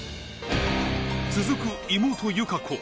続く妹、友香子。